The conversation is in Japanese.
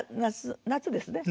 夏ですね？